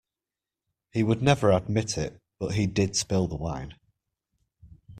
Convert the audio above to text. He would never admit it, but he did spill the wine.